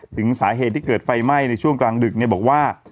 ถึงสาเหตุที่เกิดไฟไหม้ในช่วงกลางดึกบอกว่า